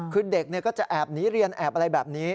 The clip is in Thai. คือเด็กก็จะแอบหนีเรียนแอบอะไรแบบนี้